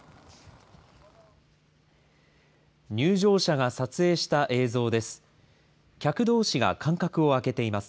入場者が撮影した映像です。